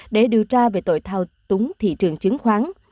để điều tra về tội thao túng thị trường chứng khoán